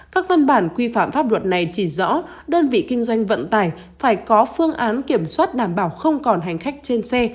các văn bản quy phạm pháp luật này chỉ rõ đơn vị kinh doanh vận tải phải có phương án kiểm soát đảm bảo không còn hành khách trên xe